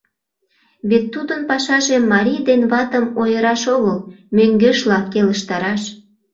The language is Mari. Вет тудын пашаже марий ден ватым ойыраш огыл, мӧҥгешла, келыштараш.